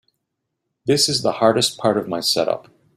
This is the hardest part of my setup.